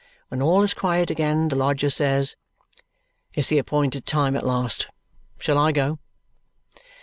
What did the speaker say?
When all is quiet again, the lodger says, "It's the appointed time at last. Shall I go?"